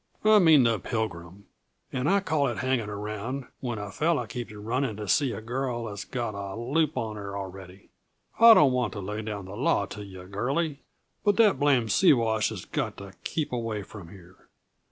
"I mean the Pilgrim. And I call it hanging around when a fellow keeps running to see a girl that's got a loop on her already. I don't want to lay down the law to yuh, Girlie, but that blamed Siwash has got to keep away from here.